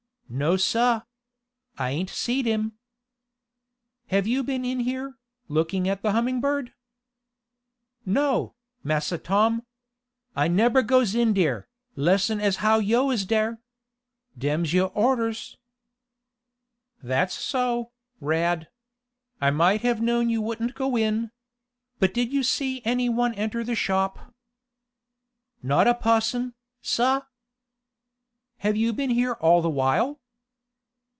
"No, sah. I ain't seed him." "Have you been in here, looking at the Humming Bird?" "No, Massa Tom. I nebber goes in dere, lessen as how yo' is dere. Dem's yo' orders." "That's so, Rad. I might have known you wouldn't go in. But did you see any one enter the shop?" "Not a pusson, sab." "Have you been here all the while?"